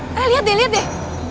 eh eh lihat deh lihat deh